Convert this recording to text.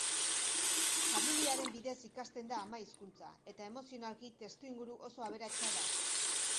Familiaren bidez ikasten da ama hizkuntza, eta emozionalki testuinguru oso aberatsa da.